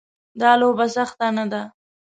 دا لوبه سخته نه ده.